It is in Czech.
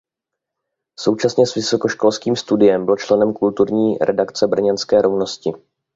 Současně s vysokoškolským studiem byl členem kulturní redakce brněnské Rovnosti.